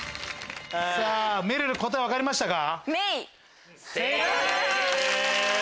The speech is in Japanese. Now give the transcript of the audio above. めるる答え分かりましたか？